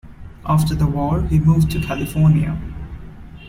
After the war, he moved to California.